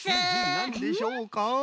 なんでしょうか。